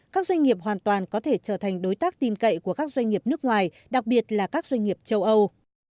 các doanh nghiệp hoàn toàn có thể trở thành đối tác tin cậy của các doanh nghiệp nước ngoài đặc biệt là các doanh nghiệp châu âu